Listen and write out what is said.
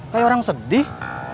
kayak orang sedih